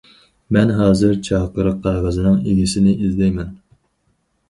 مەن ھازىر چاقىرىق قەغىزىنىڭ ئىگىسىنى ئىزدەيمەن.